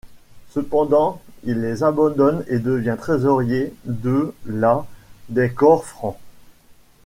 Cependant, il les abandonne et devient trésorier de la des Corps francs.